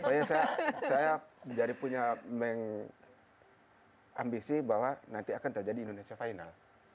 pokoknya saya jadi punya mengambisi bahwa nanti akan terjadi indonesia final